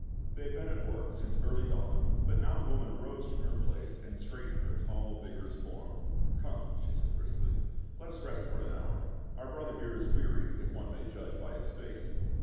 They had been at work since early dawn, but now the woman arose from her place and straightened her tall vigorous form. " Come," she said briskly, " let us rest for an hour ; our brother here is weary, if one may judge by his face.